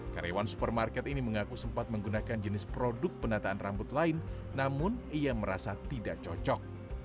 karyawan supermarket ini mengaku sempat menggunakan jenis produk penataan rambut lain namun ia merasa tidak cocok